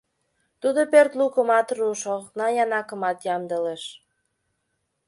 Тудо пӧрт лукымат руыш, окна янакымат ямдылыш.